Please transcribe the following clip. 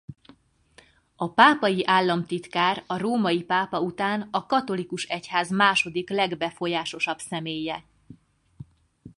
A pápai államtitkár a római pápa után a katolikus egyház második legbefolyásosabb személye.